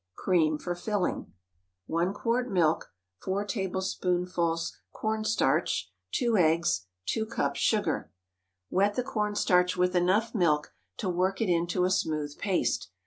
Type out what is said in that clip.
Cream for filling. 1 quart milk. 4 tablespoonfuls corn starch. 2 eggs. 2 cups sugar. Wet the corn starch with enough milk to work it into a smooth paste.